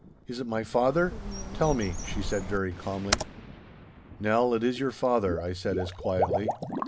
'Is it my father? Tell me,' she said very calmly. 'Nell, it is your father,' I said as quietly.